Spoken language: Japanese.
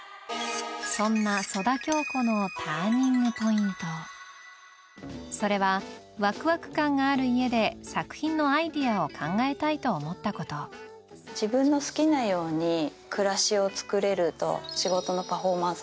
そんなそれはワクワク感がある家で作品のアイデアを考えたいと思ったこと自分の好きなように暮らしをつくれると。